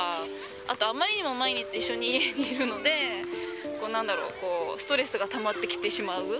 あと、あまりにも毎日家に一緒にいるので、なんだろう、ストレスがたまってきてしまう。